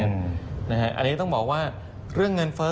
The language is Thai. อันนี้ต้องบอกว่าเรื่องเงินเฟ้อ